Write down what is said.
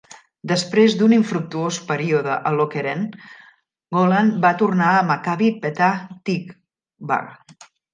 Després d'un infructuós període a Lokeren, Golan va tornar a Maccabi Petah Tikva.